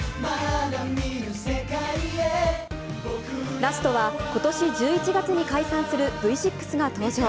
ラストは、ことし１１月に解散するＶ６が登場。